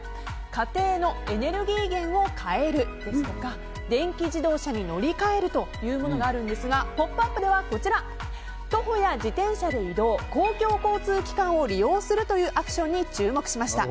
家庭のエネルギー源を変えるですとか電気自動車に乗り換えるというものがあるんですが「ポップＵＰ！」ではこちら徒歩や自転車で移動公共交通機関を利用するというアクションに注目しました。